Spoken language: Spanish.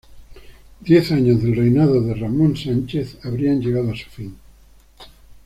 Diez años del reinado de Ramón Sánchez habrían llegado a su fin.